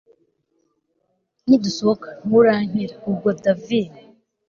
nidusohoka nturankira ubwo david